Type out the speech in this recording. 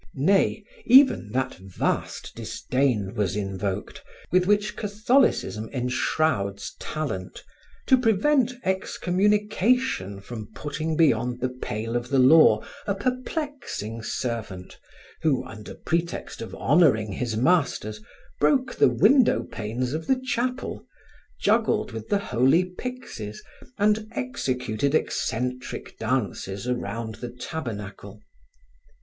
Nay, even that vast disdain was invoked, with which Catholicism enshrouds talent to prevent excommunication from putting beyond the pale of the law a perplexing servant who, under pretext of honoring his masters, broke the window panes of the chapel, juggled with the holy pyxes and executed eccentric dances around the tabernacle.